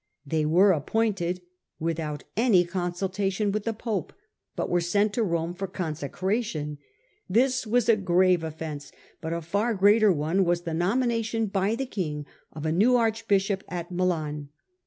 They were appointed without any consultation with the pope, but were sent to Rome for consecration. This was a grave offence ; but a far greater one was the nomination by the king of a new archbishop at Milan.